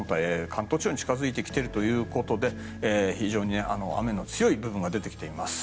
関東地方に近づいてきているということで非常に雨の強い部分が出てきています。